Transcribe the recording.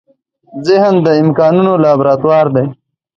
ذهن د امکانونو لابراتوار دی.